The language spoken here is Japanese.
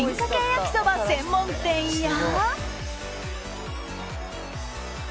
焼きそば専門店や。